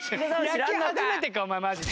野球初めてかお前マジで。